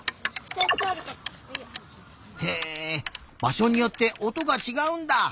へえばしょによっておとがちがうんだ。